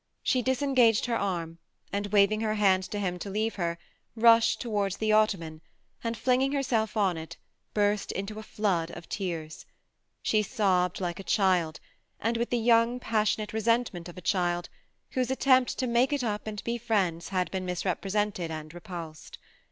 She disengaged her arm, and^ waving her hand to him to leave her, rushed towards the ottoman, and f inging herself on it, burst into a flood of tears. She sobbed like a child, and with the young passionate resentment of a child whose attempt to ''make it up and be friends " has been misrepresented and repulsed.